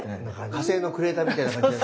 火星のクレーターみたいな感じに？